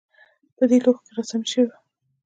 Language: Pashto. په دې لوښو کې رسامي شوې وه